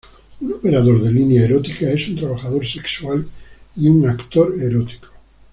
Un operador de línea erótica es un trabajador sexual y un actor erótico.